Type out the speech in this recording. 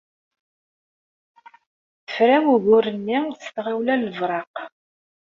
Tefra ugur-nni s tɣawla n lebreq.